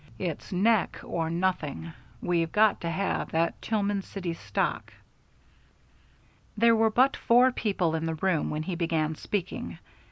"It's neck or nothing. We've got to have that Tillman City stock." There were but four people in the room when he began speaking.